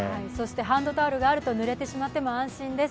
ハンドタオルがあるとぬれてしまっても安心です。